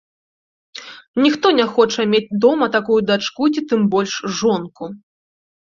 Ніхто не хоча мець дома такую дачку ці тым больш жонку.